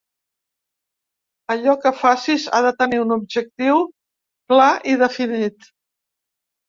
Allò que facis ha de tenir un objectiu clar i definit.